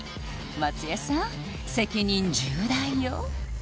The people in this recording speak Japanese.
松也さん責任重大よ！